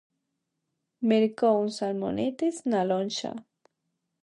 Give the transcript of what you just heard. Mercou uns salmonetes na lonxa.